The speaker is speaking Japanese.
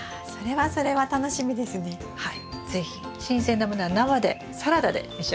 はい。